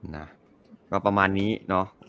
นะก็ประมาณนี้เนอะ